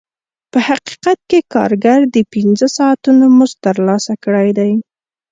په حقیقت کې کارګر د پنځه ساعتونو مزد ترلاسه کړی دی